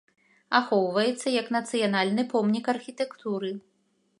Ахоўваецца як нацыянальны помнік архітэктуры.